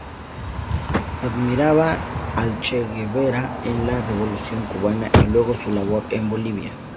Admiraba al Che Guevara en la revolución cubana y luego su labor en Bolivia.